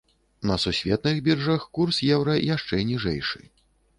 На сусветных біржах курс еўра яшчэ ніжэйшы.